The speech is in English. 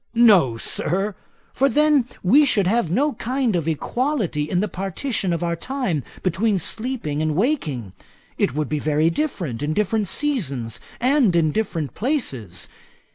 'No, Sir; for then we should have no kind of equality in the partition of our time between sleeping and waking. It would be very different in different seasons and in different places.